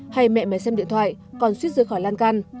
hay mẹ mẹ xem điện thoại con suýt rơi khỏi lan can